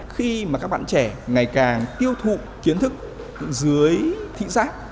khi mà các bạn trẻ ngày càng tiêu thụ kiến thức dưới thị giác